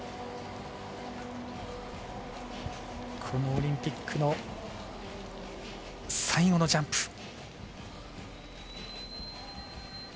このオリンピックの最後のジャンプ。